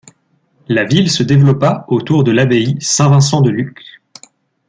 La ville se développa autour de l´abbaye Saint-Vincent de Lucq.